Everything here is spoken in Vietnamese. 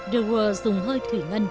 de waal dùng hơi thủy ngân